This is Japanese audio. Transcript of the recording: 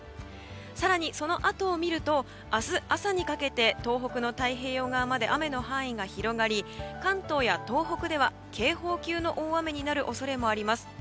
更に、そのあとを見ると明日朝にかけて東北の太平洋側まで雨の範囲が広がり関東や東北では警報級の大雨になる恐れもあります。